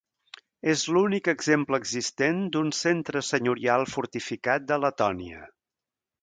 És l'únic exemple existent d'un centre senyorial fortificat de Letònia.